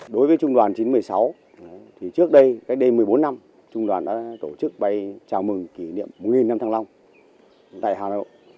đối với trung đoàn chín trăm một mươi sáu trước đây cách đây một mươi bốn năm trung đoàn đã tổ chức bay chào mừng kỷ niệm một năm thăng long tại hà nội